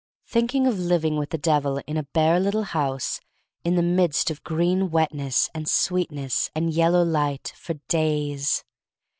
Think of living with the Devil in a bare little house, in the midst of green wetness and sweetness and yellow light — for days!